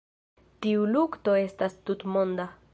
Tiu lukto estas tutmonda.